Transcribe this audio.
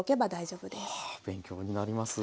はあ勉強になります。